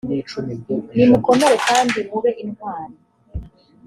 nimukomere kandi mube intwari,